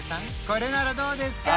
これならどうですか？